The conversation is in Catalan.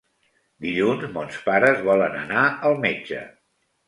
Dilluns mons pares volen anar al metge.